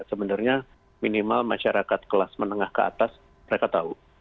sebenarnya minimal masyarakat kelas menengah ke atas mereka tahu